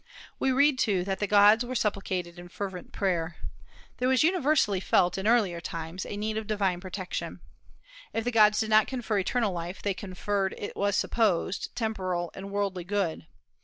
We read, too, that the gods were supplicated in fervent prayer. There was universally felt, in earlier times, a need of divine protection. If the gods did not confer eternal life, they conferred, it was supposed, temporal and worldly good.